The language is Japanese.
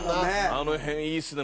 あの辺いいですね